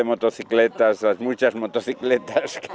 mọi người rất tốt